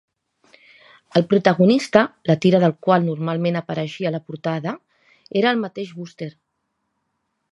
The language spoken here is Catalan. El protagonista, la tira del qual normalment apareixia a la portada, era el mateix Buster.